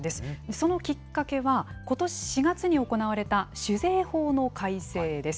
そのきっかけは、ことし４月に行われた酒税法の改正です。